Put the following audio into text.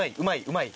うまい？